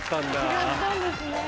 違ったんですね。